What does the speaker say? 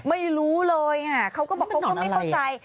ไม่รู้เลยอะเขาบอกว่าเขาไม่เข้าใจ